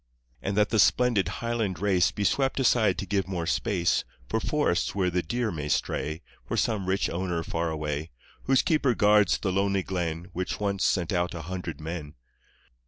And that the splendid Highland race Be swept aside to give more space For forests where the deer may stray For some rich owner far away, Whose keeper guards the lonely glen Which once sent out a hundred men!